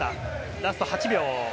ラスト８秒。